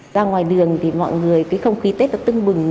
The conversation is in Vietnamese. ra ngoài đường thì mọi người cái không khí tết nó tưng bừng